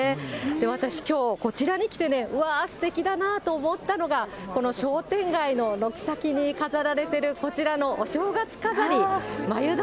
私、きょう、こちらに来てね、わーっ、すてきだなと思ったのが、この商店街の軒先に飾られている、こちらのお正月飾り、まゆだ